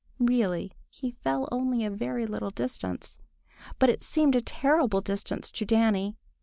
Really he fell only a very little distance. But it seemed a terrible distance to Danny.